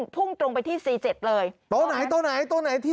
พุ่งตรงไปที่สี่เจ็ดเลยโต๊ะไหนโต๊ะไหนโต๊ะไหนที่